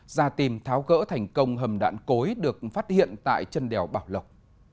ra tìm tháo gỡ thành công hầm đạn cối được phát hiện tại chân đèo bảo lộc